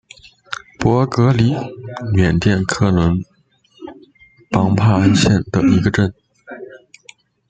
博嘎里缅甸克伦邦帕安县的一个镇。